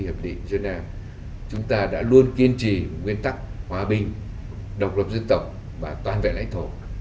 hiệp định geneva chúng ta đã luôn kiên trì nguyên tắc hòa bình độc lập dân tộc và toàn vẹn lãnh thổ